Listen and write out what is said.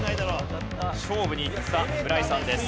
勝負にいった村井さんです。